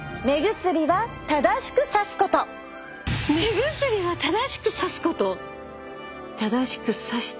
目薬は正しくさすこと？